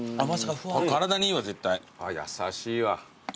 優しいわ。